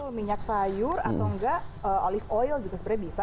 kalau minyak sayur atau enggak olive oil juga sebenarnya bisa